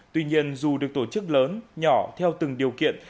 tuy nhiên dù được tổ chức lớn nhỏ theo từng điều kiện